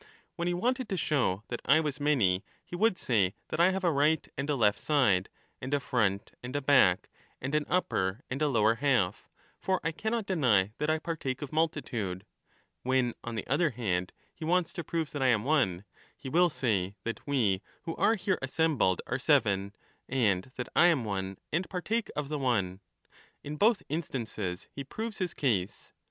When he wanted to show that I was many he would say that I have a right and a left side, and a front and a back, and an upper and a lower half, for I cannot deny that I partake of multitude ; when, on the other hand, he wants to prove that I am one, he will say, that we who are here assembled are seven, and that I am one and partake of the one. In both instances he proves his case.